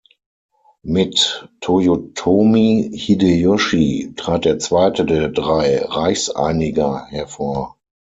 Mit Toyotomi Hideyoshi trat der zweite der drei "Reichseiniger" hervor.